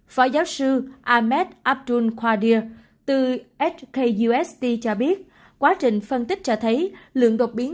phó giáo sư ahmed abdul khawadir từ hkust cho biết quá trình phân tích cho thấy lượng đột biến